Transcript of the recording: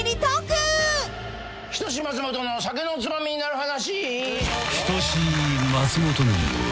『人志松本の酒のツマミになる話』